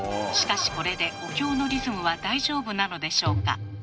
しかしこれでお経のリズムは大丈夫なのでしょうか。